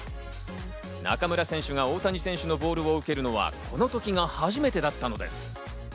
中村選手が大谷選手のボールを受けるのは、この時が初めてだったのです。